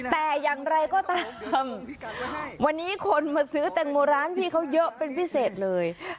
แต่อย่างไรก็ตามวันนี้คนมาซื้อแตงโมร้านพี่เขาเยอะเป็นพิเศษเลย